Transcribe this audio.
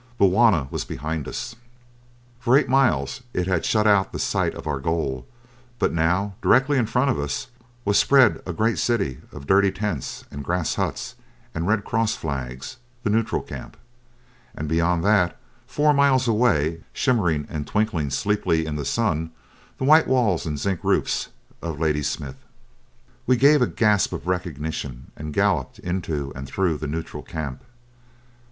Bulwana was behind us. For eight miles it had shut out the sight of our goal, but now, directly in front of us, was spread a great city of dirty tents and grass huts and Red Cross flags the neutral camp and beyond that, four miles away, shimmering and twinkling sleepily in the sun, the white walls and zinc roofs of Ladysmith. We gave a gasp of recognition and galloped into and through the neutral camp.